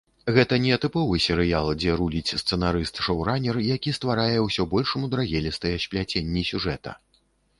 Гэта не тыповы серыял, дзе руліць сцэнарыст-шоўранер, які стварае ўсё больш мудрагелістыя спляценні сюжэта.